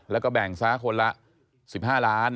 แล้วก็แบ่งซะคนละ๑๕ล้าน